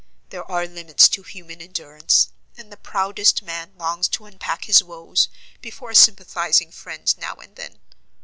There are limits to human endurance, and the proudest man longs to unpack his woes before a sympathizing friend now and then.